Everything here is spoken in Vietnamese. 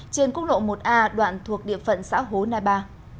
trên quốc lộ một a đoạn thuộc địa phận xã hố nai ba